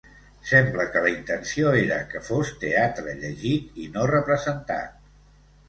Sembla que la intenció era que fos teatre llegit i no representat.